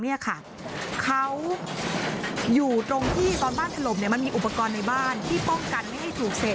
เป็นเขาอยู่ตรงที่ตอบบ้านทะลมมีอุปกรณ์ในบ้านที่ป้องกันไม่ให้ทำถูกิด